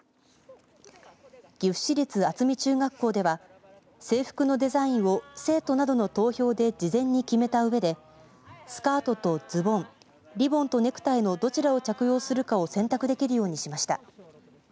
岐阜市立厚見中学校では制服のデザインを生徒などの投票で事前に決めたうえでスカートとズボン、リボンとネクタイのどちらを着用するかを選択できるようにしました。